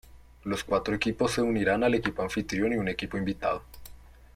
Los cuatro equipos se unirán al equipo anfitrión y un equipo invitado.